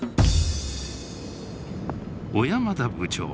小山田部長